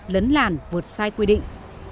lấn làn vượt sai quy định